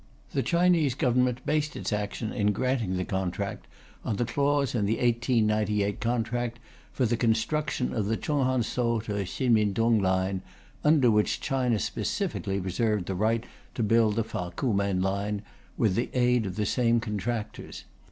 "The Chinese Government based its action in granting the contract on the clause of the 1898 contract for the construction of the Chung hon so to Hsin min Tung line, under which China specifically reserved the right to build the Fa ku Men line with the aid of the same contractors.